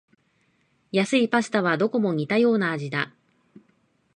安いパスタはどこも似たような味だ